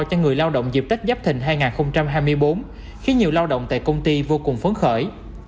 cho người lao động dịp tết giáp thình hai nghìn hai mươi bốn khiến nhiều lao động tại công ty vô cùng phấn khởi